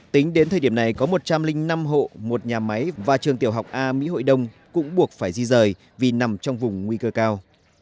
tính đến thời điểm này có một trăm linh năm hộ một nhà máy và trường tiểu học a mỹ hội đông cũng buộc phải di rời vì nằm trong vùng nguy cơ cao